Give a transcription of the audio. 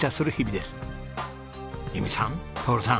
由美さん徹さん